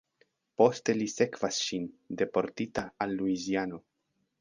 Poste li sekvas ŝin, deportita al Luiziano.